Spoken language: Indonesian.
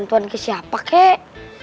ngelawan ke siapa kek